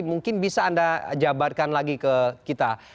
mungkin bisa anda jabarkan lagi ke kita